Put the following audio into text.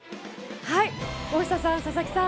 大下さん佐々木さん